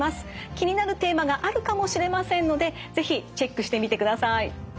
気になるテーマがあるかもしれませんので是非チェックしてみてください。